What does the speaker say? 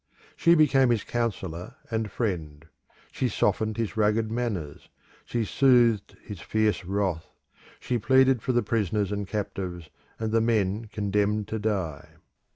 She became his counsellor and friend; she softened his rugged manners; she soothed his fierce wrath; she pleaded for the prisoners and captives, and the men condemned to die.